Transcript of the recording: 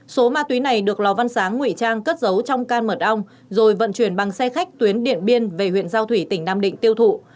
số ma túy này được lò văn sáng ngụy trang cất giấu trong can mật ong rồi vận chuyển bằng xe khách tuyến điện biên về huyện giao thủy tỉnh nam định tiêu thụ